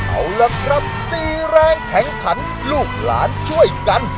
เอาล่ะครับ๔แรงแข่งขันลูกหลานช่วยกัน